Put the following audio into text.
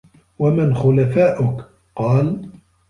وَمَنْ خُلَفَاؤُك ؟ قَالَ